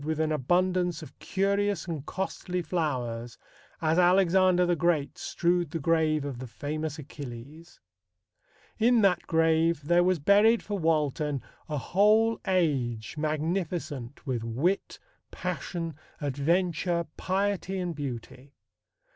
with an abundance of curious and costly flowers," as Alexander the Great strewed the grave of "the famous Achilles." In that grave there was buried for Walton a whole age magnificent with wit, passion, adventure, piety and beauty.